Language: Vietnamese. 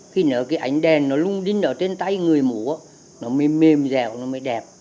khi nói cái ánh đèn nó lung linh ở trên tay người múa nó mới mềm dẻo nó mới đẹp